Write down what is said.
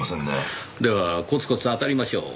ではコツコツ当たりましょう。